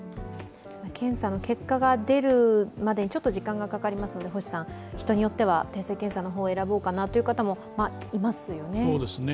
検査の結果が出るまでにちょっと時間がかかりますので、人によっては定性検査を選ぼうという方もいますよね？